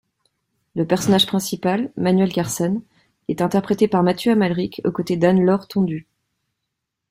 Le personnage principal, Manuel Carsen, est interprété par Mathieu Amalric aux côtés d’Anne-Laure Tondu.